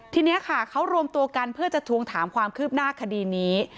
ทีนี้ค่ะเขารวมตัวกันเพื่อจะทวงถามความคืบหน้าคดีนี้